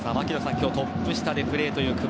今日トップ下でプレーした久保